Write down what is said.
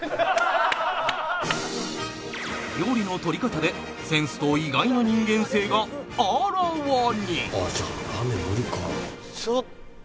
料理の取り方でセンスと意外な人間性があらわに！